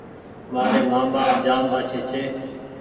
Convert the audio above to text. مآري مآن ٻآپ جآم آڇي ڇي